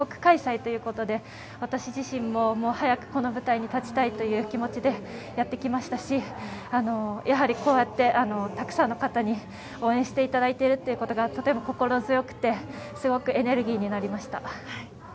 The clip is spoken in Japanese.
今までのオリンピックに比べて自国開催ということで私自身も早くこの舞台に立ちたいという気持ちでやってきましたし、こうやってたくさんの方に応援しいただいているってことがとても心強くて、すごくエネルギーになりました。